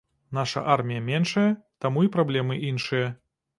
Наша армія меншая, таму і праблемы іншыя.